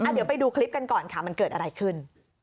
เดี๋ยวไปดูคลิปกันก่อนค่ะมันเกิดอะไรขึ้น